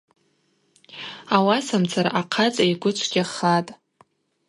Аусамацара ахъацӏа йгвы чвгьахатӏ.